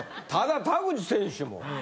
ただ田口選手も。